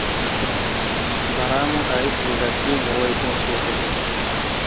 balamu arayisubiza ati nguhoye kunsuzugura